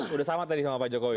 udah sama tadi sama pak jokowi